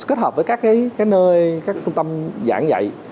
kết hợp với các nơi các trung tâm giảng dạy